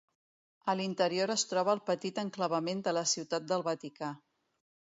A l'interior es troba el petit enclavament de la Ciutat del Vaticà.